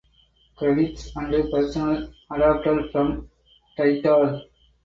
Credits and personnel adapted from Tidal.